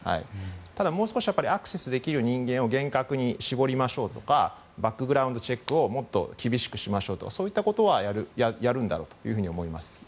ただ、もう少しアクセスできる人間を厳格に絞りましょうとかバックグラウンドチェックをもっと厳しくしましょうとかそういったことはやるんだろうと思います。